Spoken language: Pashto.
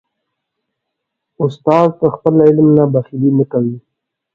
استاد د خپل علم نه بخیلي نه کوي.